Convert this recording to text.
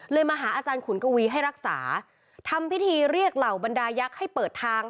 มาหาอาจารย์ขุนกวีให้รักษาทำพิธีเรียกเหล่าบรรดายักษ์ให้เปิดทาง